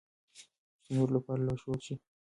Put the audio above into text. چې د نورو لپاره لارښود شي.